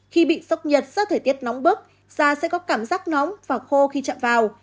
khi bị sốc nhiệt do thời tiết nóng bức già sẽ có cảm giác nóng và khô khi chạm vào